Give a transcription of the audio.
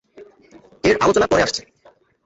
এর আলোচনা পরে আসছে।